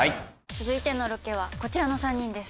続いてのロケはこちらの３人です。